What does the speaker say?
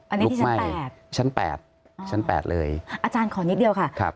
อันนี้ที่ชั้นแปดชั้นแปดชั้นแปดเลยอาจารย์ขอนิดเดียวค่ะครับ